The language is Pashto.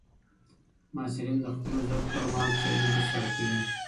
محصلین د خپلو زده کړو پر مهال څېړني ترسره کوي.